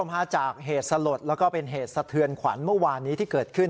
มาจากเหตุสลดแล้วก็เป็นเหตุสะเทือนขวัญเมื่อวานนี้ที่เกิดขึ้น